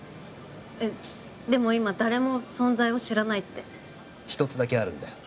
えっでも今誰も存在を知らないって一つだけあるんだよ